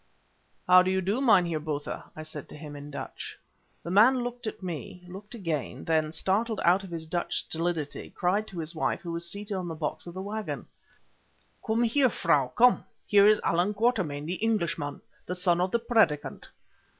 "How do you do, Meinheer Botha?" I said to him in Dutch. The man looked at me, looked again, then, startled out of his Dutch stolidity, cried to his wife, who was seated on the box of the waggon— "Come here, Frau, come. Here is Allan Quatermain, the Englishman, the son of the 'Predicant.